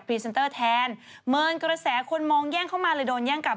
เตอร์แทนเมินกระแสคนมองแย่งเข้ามาเลยโดนแย่งกลับ